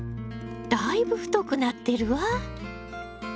だいぶ太くなっているわ！